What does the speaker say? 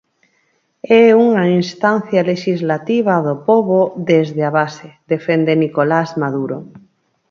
É unha instancia lexislativa do pobo desde a base, defende Nicolás Maduro.